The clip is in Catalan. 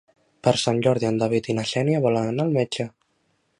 Per Sant Jordi en David i na Xènia volen anar al metge.